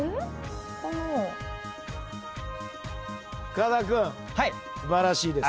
深田君素晴らしいです。